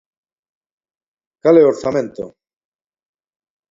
¿Cal é o orzamento?